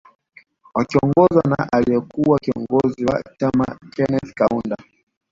Wakiongozwa na aliye kuwa kiongozi wa chama Keneth Kaunda